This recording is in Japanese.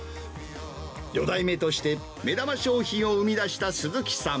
４代目として、目玉商品を生み出した鈴木さん。